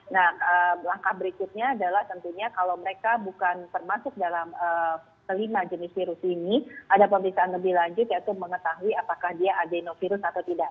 nah langkah berikutnya adalah tentunya kalau mereka bukan termasuk dalam kelima jenis virus ini ada pemeriksaan lebih lanjut yaitu mengetahui apakah dia adenovirus atau tidak